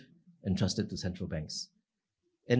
yang dipercaya kepada bank utama